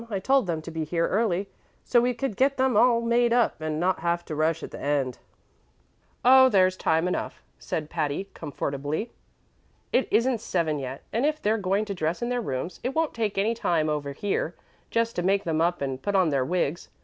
I told them to be here early, so we could get them all made up and not have a rush at the end." "Oh, there's time enough," said Patty, comfortably. "It isn't seven yet, and if they're going to dress in their rooms it won't take any time over here just to make them up and put on their wigs.